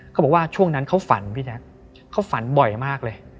เขาบอกว่าช่วงนั้นเขาฝันพี่แจ๊คเขาฝันบ่อยมากเลย